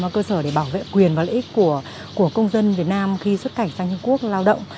cơ sở để bảo vệ quyền và lợi ích của công dân việt nam khi xuất cảnh sang trung quốc lao động